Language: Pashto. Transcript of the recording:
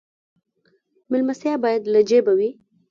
میلمستیا باید له جیبه وي